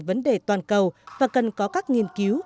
vấn đề toàn cầu và cần có các nghiên cứu